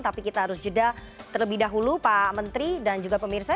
tapi kita harus jeda terlebih dahulu pak menteri dan juga pemirsa